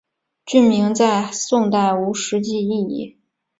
郡名在宋代无实际意义。